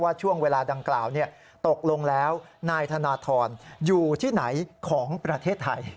ช่วงเวลาดังกล่าวตกลงแล้วนายธนทรอยู่ที่ไหนของประเทศไทย